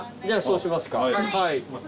じゃあそうしますか。